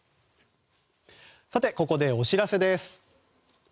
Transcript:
ここでお知らせです。